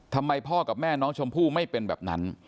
ทำไมพ่อกับแม่น้องชมพู่ไม่เป็นแบบนั้น